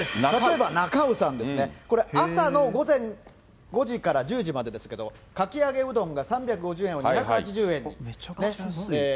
例えば中卯さんですね、これ、朝の午前５時から１０時までですけど、かき揚げうどんが３５０円が２８０円に。